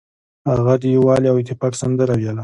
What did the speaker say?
هغه د یووالي او اتفاق سندره ویله.